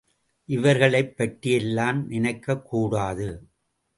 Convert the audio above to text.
இவர்களைப் பற்றியெல்லாம் நினைக்கக் கூடாது.